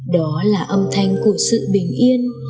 đó là âm thanh của sự bình yên